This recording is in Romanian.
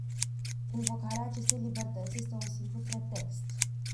Invocarea acestei libertăți este un simplu pretext.